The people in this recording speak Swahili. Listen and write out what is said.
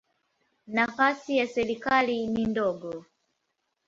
Nafasi ya serikali ni ndogo.